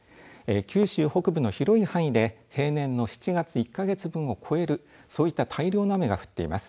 九州北部の広い範囲で平年の７月１か月分を超えるそういった大量の雨が降っています。